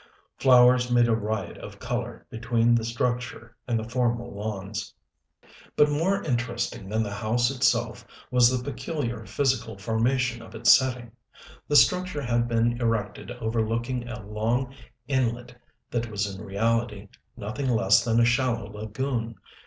Flowers made a riot of color between the structure and the formal lawns. But more interesting than the house itself was the peculiar physical formation of its setting. The structure had been erected overlooking a long inlet that was in reality nothing less than a shallow lagoon.